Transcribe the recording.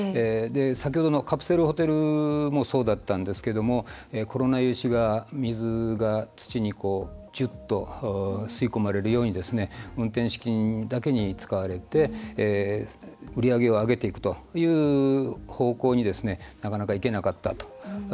先ほどのカプセルホテルもそうだったんですけどもコロナ融資が水が土にジュッと吸い込まれるように運転資金だけに使われて売り上げを上げていくという方向になかなかいけなかったと。